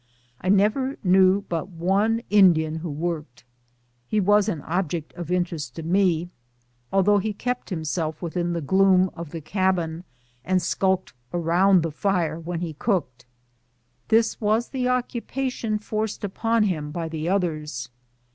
I never knew but one Indian who worked. He was an object of interest to me, though he kept himself within the gloom of the cabin, and skulked around the fire when he cooked. This was the occupation forced upon him by the others.